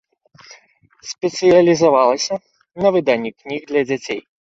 Спецыялізавалася на выданні кніг для дзяцей.